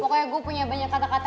pokoknya gue punya banyak kata kata